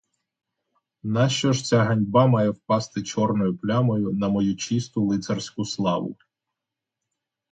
Нащо ж ця ганьба має впасти чорною плямою на мою чисту лицарську славу?